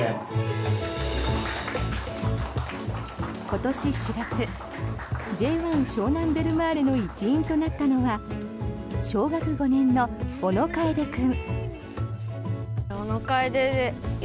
今年４月Ｊ１湘南ベルマーレの一員となったのは小学５年の小野楓君。